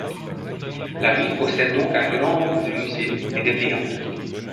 La ville possède donc un grand nombre de musées et des théâtres.